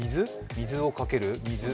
水をかける？